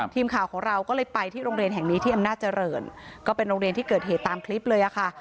ทีมข่าวของเราก็เลยไปที่โรงเรียนแห่งนี้ที่อำนาจริงก็เป็นโรงเรียนที่เกิดเหตุตามคลิปเลยค่ะ